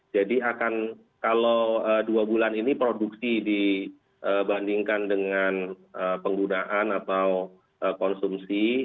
akan kalau dua bulan ini produksi dibandingkan dengan penggunaan atau konsumsi